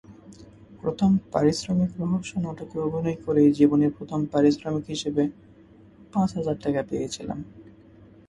প্রথম পারিশ্রমিকরহস্য নাটকে অভিনয় করেই জীবনে প্রথম পারিশ্রমিক হিসেবে পাঁচ হাজার টাকা পেয়েছিলাম।